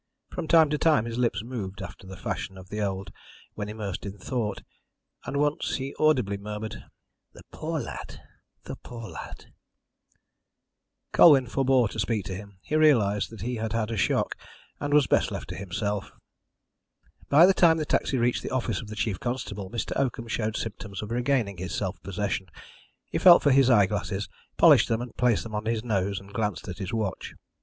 From time to time his lips moved after the fashion of the old, when immersed in thought, and once he audibly murmured, "The poor lad; the poor lad." Colwyn forbore to speak to him. He realised that he had had a shock, and was best left to himself. By the time the taxi reached the office of the chief constable Mr. Oakham showed symptoms of regaining his self possession. He felt for his eye glasses, polished them, placed them on his nose and glanced at his watch.